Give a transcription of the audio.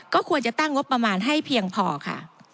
ก็ควรจะตั้งงบประมาณให้เพียงพอค่ะ